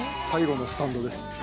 「最後のスタンドです！！」